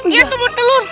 iya itu buat telur